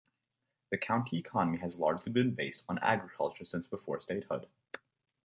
The county economy has largely been based on agriculture since before statehood.